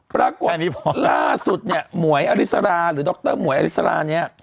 ปรากฏล่าสุดเนี่ยหมวยอริสราหรือดรหมวยอริสราเนี่ย